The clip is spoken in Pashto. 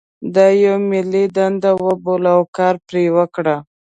دا یوه ملي دنده وبولو او کار پرې وکړو.